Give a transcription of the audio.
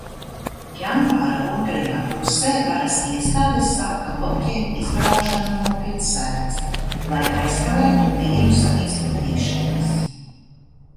Janvāra otrajā pusē varas iestādes sāka bloķēt izbraukšanu no pilsētas, lai aizkavētu vīrusa izplatīšanos.